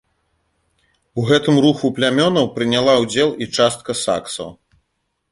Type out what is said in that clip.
У гэтым руху плямёнаў прыняла ўдзел і частка саксаў.